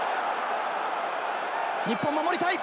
日本守りたい。